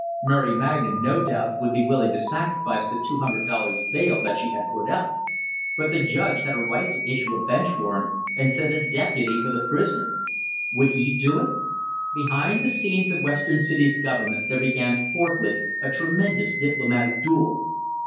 Mary Magna no doubt would be willing to sacrifice the two hundred dollars bail that she had put up; but the judge had a right to issue a bench warrant and send a deputy for the prisoner. Would he do it? Behind the scenes of Western City's government there began forthwith a tremendous diplomatic duel.